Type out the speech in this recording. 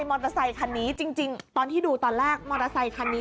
มอเตอร์ไซคันนี้จริงตอนที่ดูตอนแรกมอเตอร์ไซคันนี้